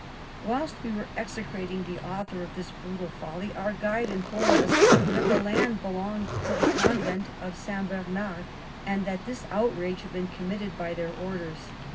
Whilst we were execrating the author of this brutal folly, our guide informed us that the land belonged to the convent of St. Bernard, and that this outrage had been committed by their orders.